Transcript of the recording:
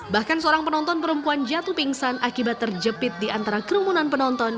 bahkan seorang penonton perempuan jatuh pingsan akibat terjepit di antara kerumunan penonton